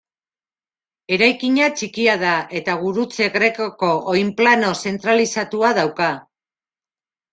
Eraikina txikia da eta gurutze grekoko oinplano zentralizatua dauka.